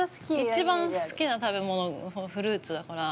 ◆一番好きな食べ物、フルーツだから。